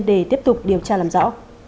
để tiếp tục điều tra làm rõ